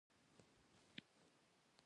د خپلې ټولنې د پرمختګ لپاره ګټه واخلو